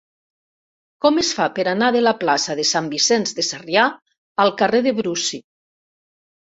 Com es fa per anar de la plaça de Sant Vicenç de Sarrià al carrer de Brusi?